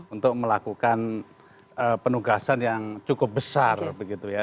untuk melakukan penugasan yang cukup besar begitu ya